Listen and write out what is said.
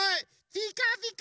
ピカピカ。